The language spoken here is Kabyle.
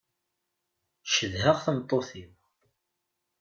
Cedheɣ tameṭṭut-iw.